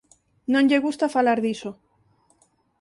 Non lle gusta falar diso.